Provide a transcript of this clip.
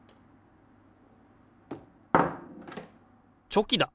チョキだ！